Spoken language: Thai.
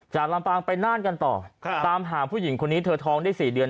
ลำปางไปน่านกันต่อตามหาผู้หญิงคนนี้เธอท้องได้๔เดือน